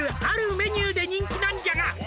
「あるメニューで人気なんじゃが」